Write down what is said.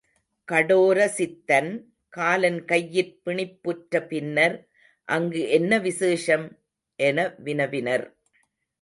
கடோரசித்தன் காலன் கையிற் பிணிப்புற்ற பின்னர் அங்கு என்ன விசேஷம்? என வினவினர்.